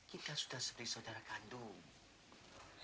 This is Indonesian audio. kita sudah seperti saudara kandung